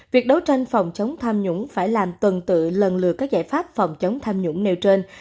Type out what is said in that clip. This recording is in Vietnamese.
việc đấu tranh phòng chống tham nhũng phải làm tuần tự lần lượt các giải pháp phòng chống tham nhũng nêu trên